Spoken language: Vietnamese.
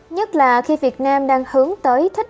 nhất là khi việt nam đang hướng tới thích